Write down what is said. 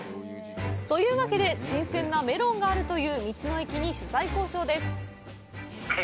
というわけで新鮮なメロンがあるという道の駅に取材交渉です。